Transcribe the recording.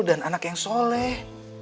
dan anak yang soleh